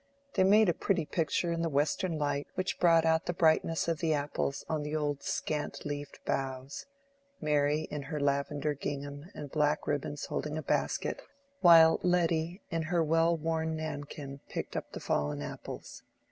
They made a pretty picture in the western light which brought out the brightness of the apples on the old scant leaved boughs—Mary in her lavender gingham and black ribbons holding a basket, while Letty in her well worn nankin picked up the fallen apples.